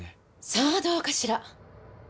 さあどうかしら。